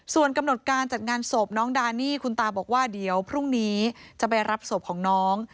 ส่วนกำหนดการจัดงานศพน้องดานี่คุณตาบอกว่าเดี๋ยวพรุ่งนี้จะไปรับศพของน้อง